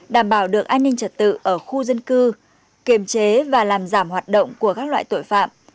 đảm bảo được an ninh trật tự ở khu dân cư kiềm chế và làm giảm hoạt động của các loại tội phạm